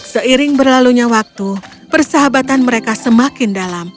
seiring berlalunya waktu persahabatan mereka semakin dalam